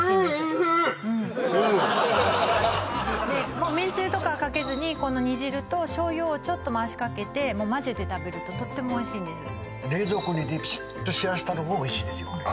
おいしいでもうめんつゆとかはかけずにこの煮汁と醤油をちょっと回しかけてまぜて食べるととってもおいしいんです冷蔵庫に入れてピシッと冷やしたのもおいしいですよ